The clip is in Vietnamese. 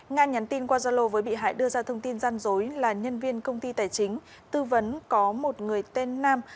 nga nhắn tin qua zalo với bị hại đưa ra thông tin gian dối là nhân viên công ty tài chính tư vấn có một người tên nam